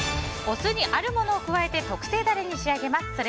お酢にあるものを加えて特製ダレに仕上げます。